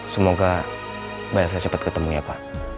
semoga baik saya cepat ketemu ya pak